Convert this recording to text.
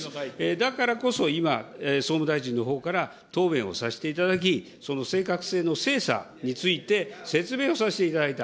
だからこそ、今、総務大臣のほうから答弁をさせていただき、その正確性の精査について説明をさせていただいた。